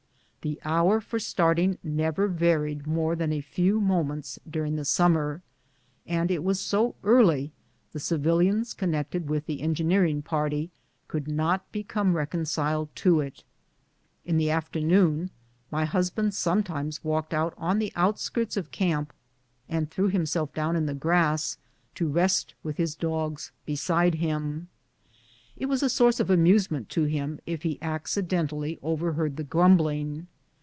The hour for starting never varied more than a few moments during the summer, and it was so early the civilians connected with the engineering party could not be come reconciled to it. In the afternoon my husband sometimes walked out on the outskirts of camp, and threw himself down in the grass to rest with his dogs beside him. It was a source of amusement to him if he acciden tally overheard the grumbling.